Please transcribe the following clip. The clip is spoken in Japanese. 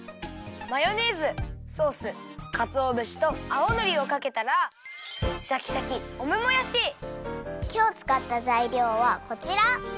マヨネーズソースかつおぶしと青のりをかけたらシャキシャキきょうつかったざいりょうはこちら。